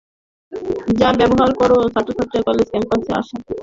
যা ব্যবহার করেও ছাত্র/ছাত্রীরা কলেজ ক্যাম্পাসে আসা যাওয়া করে থাকে।